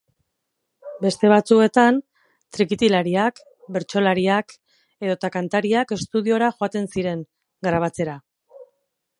Beste batzuetan, trikitilariak, bertsolariak edota kantariak estudiora joaten ziren, grabatzera.